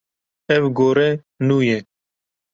Ev gore nû ye.